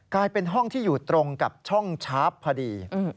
กลายเป็นห้องที่อยู่ตรงกับช่องชาร์ฟพอดี